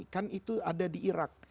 kan itu ada di irak